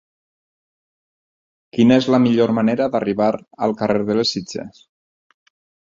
Quina és la millor manera d'arribar al carrer de les Sitges?